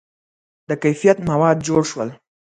• د کیفیت مواد جوړ شول.